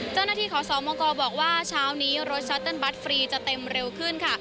เจ้าหน้าที่ขอสอบมงกอบอกว่าเช้านี้รถชัตเติ้ลบัตรฟรีจะเต็มเร็วขึ้นค่ะ